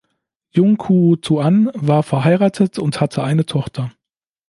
Jung Kuo-Tuan war verheiratet und hatte eine Tochter.